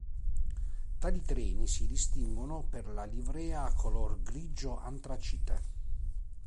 Tali treni si distinguono per la livrea color grigio antracite.